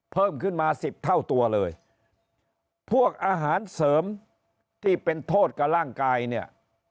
เพิ่มขึ้นมาสิบเท่าตัวเลยพวกอาหารเสริมที่เป็นโทษกับร่างกายเนี่ย